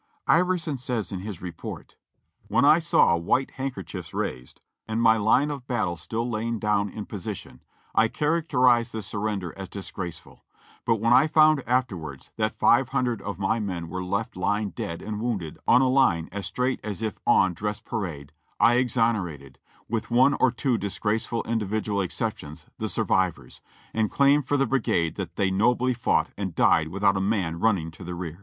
Iverson says in his report : "When I saw white handkerchiefs raised, and my line of battle 390 JOHNNY REB AND BILI,Y YANK Still lying down in position, I characterized the surrender as dis graceful ; but when I found afterwards that 500 of my men w' ere left lying dead and wounded on a line as straight as if on dress parade, I exonerated, with one or two disgraceful individual ex ceptions, the survivors, and claim for the brigade that they nobly fought and died without a man running to the rear."